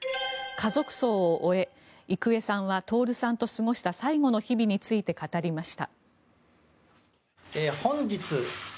家族葬を終え郁恵さんは徹さんと過ごした最後の日々について語りました。